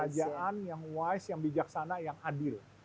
kerajaan yang wise yang bijaksana yang adil